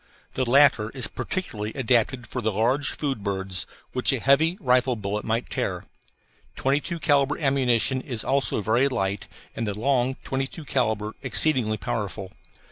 The latter is particularly adapted for the large food birds, which a heavy rifle bullet might tear. Twenty two calibre ammunition is also very light and the long 22 calibre exceedingly powerful.